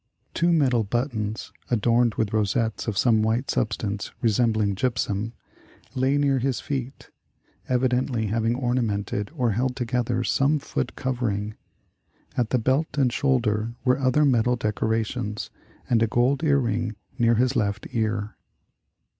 Two met al buttons, adorned with rosettes of some white sub stance resembling gypsum, lay near his feet, evidently having ornamented, or held together some foot cover ing. At the belt and shoulder were other metal decora tions, and a gold ear ring near his left ear.